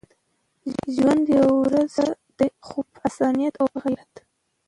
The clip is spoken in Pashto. ژوند يوه ورځ ښه دی خو په انسانيت او په غيرت.